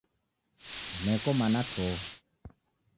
Neko mana to!